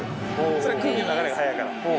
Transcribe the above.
それは空気の流れが速いから。